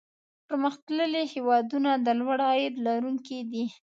پرمختللي هېوادونه د لوړ عاید لرونکي دي.